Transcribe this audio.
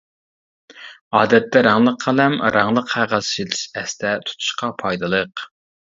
ئادەتتە رەڭلىك قەلەم رەڭلىك قەغەز ئىشلىتىش ئەستە تۇتۇشقا پايدىلىق.